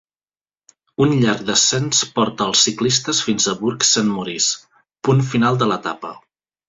Un llarg descens porta els ciclistes fins a Bourg-Saint-Maurice, punt final de l'etapa.